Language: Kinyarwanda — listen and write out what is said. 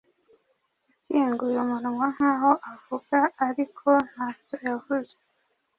Yakinguye umunwa nkaho avuga, ariko ntacyo yavuze.